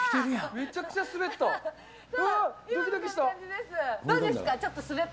めちゃくちゃ滑った。